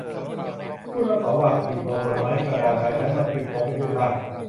ผู้รับเหมาวางอิฐลงบนไม้กระดาน ดังนั้นมันจึงโค้งเป็นรูปร่าง